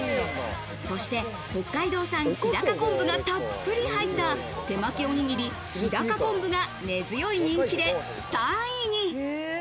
そして北海道産・日高昆布がたっぷり入った手巻おにぎり日高昆布が根強い人気で３位に。